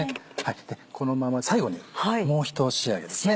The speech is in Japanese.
このまま最後にもう一仕上げですね。